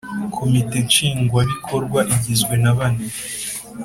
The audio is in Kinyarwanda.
Komite nshingwabikorwa igizwe nabane